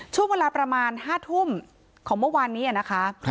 ช่วงเวลาประมาณ๕ทุ่มของเมื่อวานนี้นะคะ